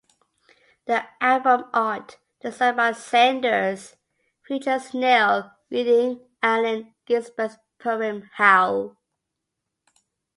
The album art, designed by Sanders, featured a snail reading Allen Ginsberg's poem "Howl".